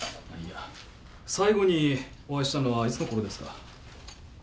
最後にお会いしたのはいつのことですか？